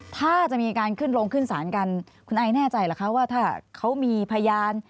ถ้าจะมีการขึ้นโรงขึ้นศาลกันคุณไอแน่ใจเหรอคะว่าถ้าเขามีพยาน